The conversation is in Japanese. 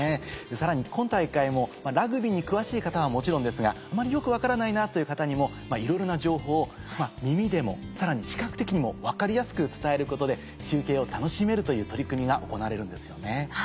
さらに今大会もラグビーに詳しい方はもちろんですがあまりよく分からないなという方にもいろいろな情報を耳でもさらに視覚的にも分かりやすく伝えることで中継を楽しめるという取り組みが行われるんですよね。